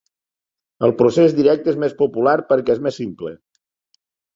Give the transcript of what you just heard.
El procés directe és més popular perquè és més simple.